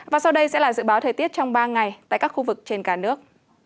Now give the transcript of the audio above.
và sau đây sẽ là dự báo thời tiết trong ba ngày tại các khu vực trên cả nước